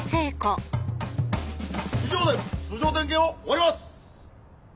以上で通常点検を終わります！